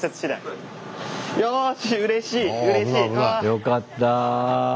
よかった。